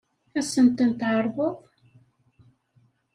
Ad sen-tent-tɛeṛḍeḍ?